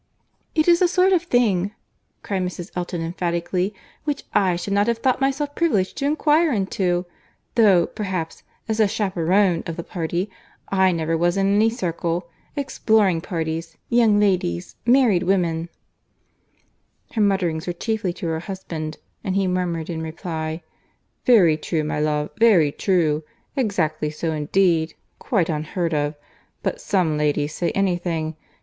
"It is a sort of thing," cried Mrs. Elton emphatically, "which I should not have thought myself privileged to inquire into. Though, perhaps, as the Chaperon of the party—I never was in any circle—exploring parties—young ladies—married women—" Her mutterings were chiefly to her husband; and he murmured, in reply, "Very true, my love, very true. Exactly so, indeed—quite unheard of—but some ladies say any thing.